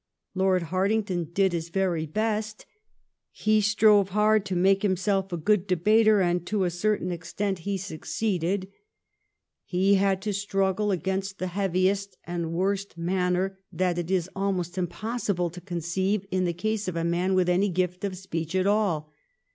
Lord Hartington did his very best. He strove hard to make himself a good debater, and to a certain 3l8 THE STORY OF GLADSTONE'S LIFE extent he succeeded. He had to struggle against the heaviest and worst manner that it is almost possible to conceive in the case of a man with any gift of speech at all.